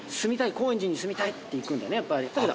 高円寺に住みたいって行くんだね。